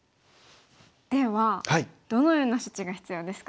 ではどのような処置が必要ですか？